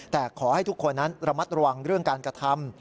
แต่ขอให้ทุกคนนั้นระมัดระวังเรื่องการกระทำ